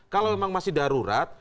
kalau memang masih darurat